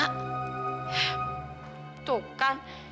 hah tuh kan